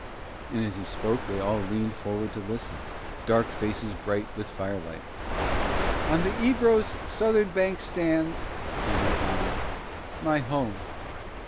And as he spoke they all leaned forward to listen, dark faces bright with firelight. "On the Ebro's southern bank stands," he went on, "my home."